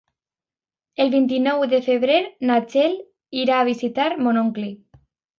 El vint-i-nou de febrer na Txell irà a visitar mon oncle.